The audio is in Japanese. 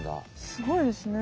すごいですね。